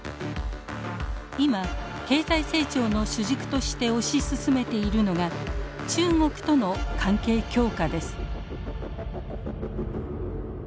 今経済成長の主軸として推し進めているのが中国との関係強化です。